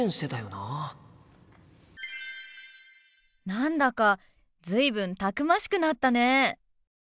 何だか随分たくましくなったね。